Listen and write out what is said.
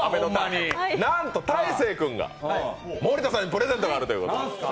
なんと大晴君が森田さんにプレゼントがあるということです。